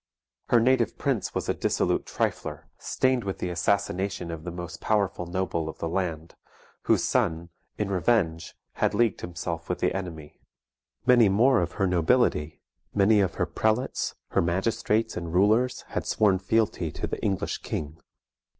Her native prince was a dissolute trifler, stained with the assassination of the most powerful noble of the land, whose son, in revenge, had leagued himself with the enemy. Many more of her nobility, many of her prelates, her magistrates, and rulers, had sworn fealty to the English king.